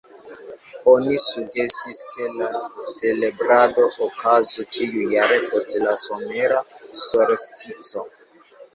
Oni sugestis, ke la celebrado okazu ĉiujare post la somera solstico.